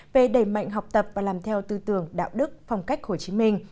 về đẩy mạnh học tập và làm theo tư tưởng đạo đức phong cách hồ chí minh